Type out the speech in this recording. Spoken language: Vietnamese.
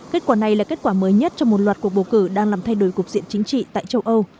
kết quả này là kết quả mới nhất trong một loạt cuộc bầu cử đang làm thay đổi cuộc diện chính trị tại châu âu